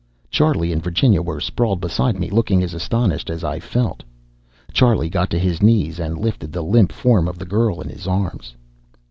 Charlie and Virginia were sprawled beside me, looking as astonished as I felt. Charlie got to his knees and lifted the limp form of the girl in his arms.